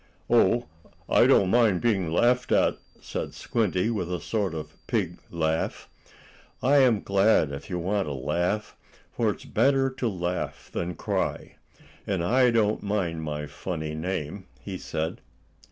"Oh, I don't mind being laughed at," said Squinty, with a sort of pig laugh. "I am glad if you want to laugh, for it is better to laugh than cry. And I don't mind my funny name," he said.